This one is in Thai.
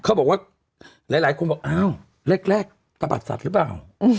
เขาบอกว่าหลายคนบอกอ้าวแรกตะบัดสัตว์หรือเปล่า